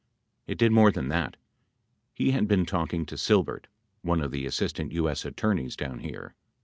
It did more than that — he had been talking to Silbert, one of the Assistant U.S. Attorneys down here.